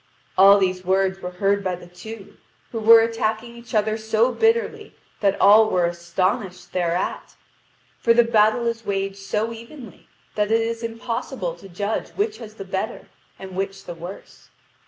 All these words were heard by the two, who were attacking each other so bitterly that all were astonished thereat; for the battle is waged so evenly that it is impossible to judge which has the better and which the worse.